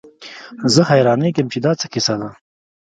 زه حيرانېږم چې دا څه کيسه ده.